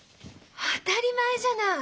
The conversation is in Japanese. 当たり前じゃない！